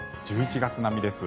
１１月並みです。